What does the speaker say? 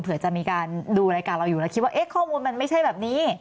เผื่อจะมีการดูรายการเราอยู่แล้วคิดว่าเอ๊ะข้อมูลมันไม่ใช่แบบนี้